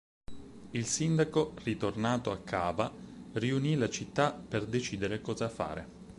Il Sindaco ritornato a Cava, riunì la Città per decidere cosa fare.